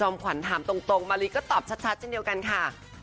ตลอดคำถามตรงมาลีก็ตอบชัดที่เดียวกันค่ะ